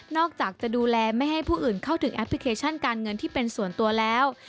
อกจากจะดูแลไม่ให้ผู้อื่นเข้าถึงแอปพลิเคชันการเงินที่เป็นส่วนตัวแล้ว